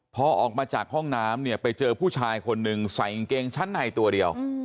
พอออกมาจากห้องน้ำเนี่ยไปเจอผู้ชายคนหนึ่งใส่กางเกงชั้นในตัวเดียว